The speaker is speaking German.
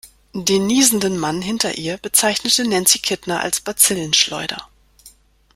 Den niesenden Mann hinter ihr bezeichnete Nancy Kittner als Bazillenschleuder.